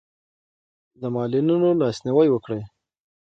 د معلولینو لاسنیوی وکړئ.